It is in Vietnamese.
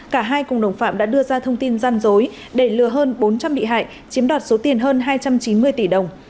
cả hai cùng đồng phạm đã đưa ra thông tin gian dối để lừa hơn bốn trăm linh bị hại chiếm đoạt số tiền hơn hai trăm chín mươi tỷ đồng